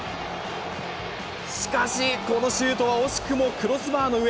しかし、このシュートは惜しくもクロスバーの上。